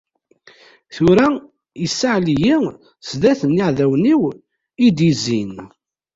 Tura, issaɛli-yi sdat yiɛdawen-iw i iyi-d-izzin.